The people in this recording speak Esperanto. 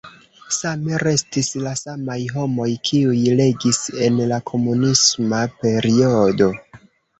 Same restis la samaj homoj, kiuj regis en la komunisma periodo.